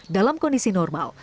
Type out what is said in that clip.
dalam kondisi normal